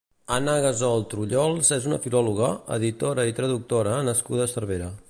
Anna Gasol Trullols és una filòloga, editora i traductora nascuda a Cervera.